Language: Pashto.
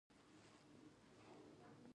سنا د روم لومړي پاچا رومولوس لخوا تاسیس شوه